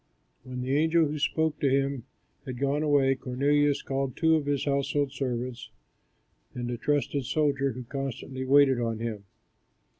When the angel who spoke to him had gone away, Cornelius called two of his household servants, and a trusted soldier who constantly waited on him.